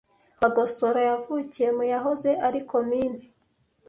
Bagosora yavukiye mu yahoze ari Komini